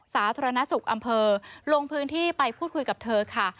สาธารณสุขอำเภอลงพื้นที่ไปพูดคุยกับเธอค่ะ